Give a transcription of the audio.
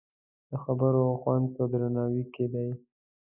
د خبرو خوند په درناوي کې دی